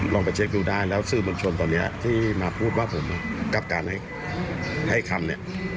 ลองไปเช็คดูได้แล้วสื่อมวลชนตอนนี้ที่มาพูดว่าผมกับการให้คำเนี่ย